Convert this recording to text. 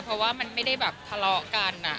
เพราะว่ามันไม่ได้แบบทะเลาะกัน